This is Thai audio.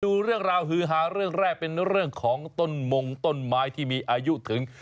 ดูเรื่องราวฮือฮาเรื่องแรกเป็นเรื่องของต้นมงต้นไม้ที่มีอายุถึง